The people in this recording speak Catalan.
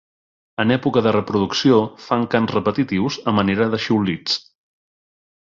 En època de reproducció fan cants repetitius a manera de xiulits.